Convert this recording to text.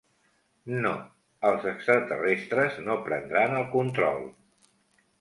No, els extraterrestres no prendran el control.